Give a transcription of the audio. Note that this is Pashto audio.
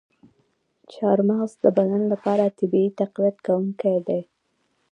چارمغز د بدن لپاره طبیعي تقویت کوونکی دی.